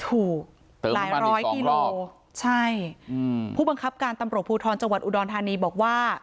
ถูกหลายร้อยกิโลใช่อืมผู้บังคับการตำรวจภูทรจังหวัดอุดรธานีบอกว่า